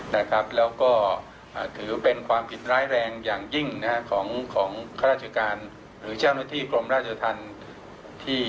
แล้วก็ถือเป็นความผิดร้ายแรงอย่างยิ่งของข้าราชการหรือเจ้าหน้าที่กลมราชธรรม